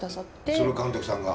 その監督さんが？